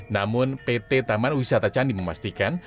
namun pt taman wisata candi memastikan